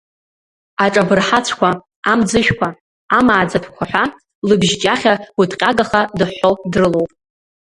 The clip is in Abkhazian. Аҿабырҳацәқәа, амӡышәқәа, амааӡатәқәа ҳәа, лыбжьҷахьа гәыҭҟьагаха дыҳәҳәо дрылоуп.